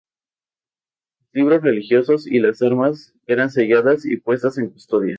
Los libros religiosos y las armas eran selladas y puestas en custodia.